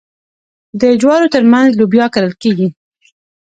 د جوارو ترمنځ لوبیا کرل کیږي.